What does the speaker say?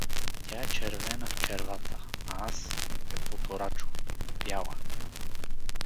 Тя е червена в червата, а аз — каквото Рачо — бяла.